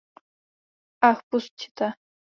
Ach pusťte!